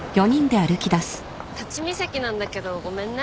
立ち見席なんだけどごめんね。